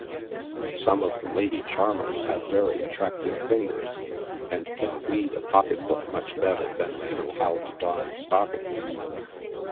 Some of the lady charmers have very attractive fingers, and can weed a pocket book much better than they know how to darn stockings.